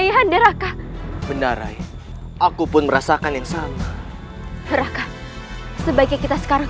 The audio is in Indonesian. ayah anda raka benar aku pun merasakan yang sama raka sebaiknya kita sekarang